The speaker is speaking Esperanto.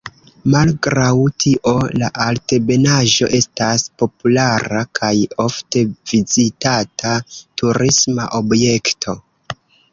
Malgraŭ tio la altebenaĵo estas populara kaj ofte vizitata turisma objekto.